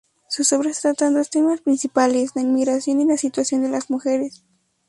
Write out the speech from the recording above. Sus obras tratan dos temas principales: la inmigración y la situación de las mujeres.